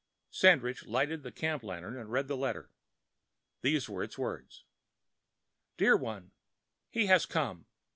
Sandridge lighted the camp lantern and read the letter. These were its words: Dear One: He has come.